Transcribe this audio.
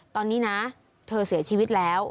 ตอนนี้นะเธอเสียชีวิตแล้ว